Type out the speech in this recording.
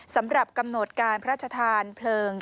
สำหรับกำหนดการพระชธานเพลิง